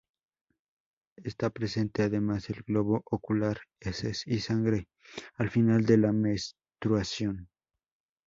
Está presente además en globo ocular, heces y sangre al final de la menstruación..